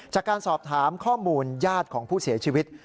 จากการสอบถามข้อมูลญาติของผู้เสียชีวิต